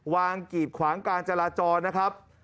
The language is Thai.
กีดขวางการจราจรนะครับ